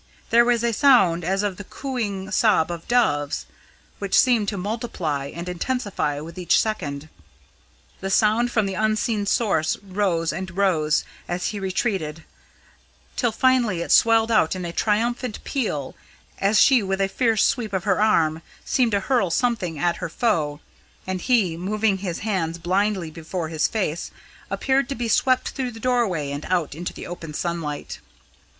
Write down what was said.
There was a sound as of the cooing sob of doves, which seemed to multiply and intensify with each second. The sound from the unseen source rose and rose as he retreated, till finally it swelled out in a triumphant peal, as she with a fierce sweep of her arm, seemed to hurl something at her foe, and he, moving his hands blindly before his face, appeared to be swept through the doorway and out into the open sunlight.